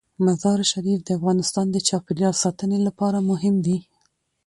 مزارشریف د افغانستان د چاپیریال ساتنې لپاره مهم دي.